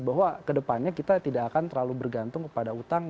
bahwa kedepannya kita tidak akan terlalu bergantung kepada utang